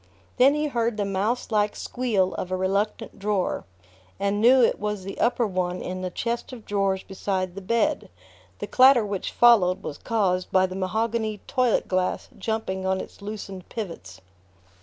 Then he heard the mouse like squeal of a reluctant drawer, and knew it was the upper one in the chest of drawers beside the bed: the clatter which followed was caused by the mahogany toilet glass jumping on its loosened pivots...